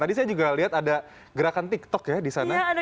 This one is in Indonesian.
tadi saya juga lihat ada gerakan tiktok ya di sana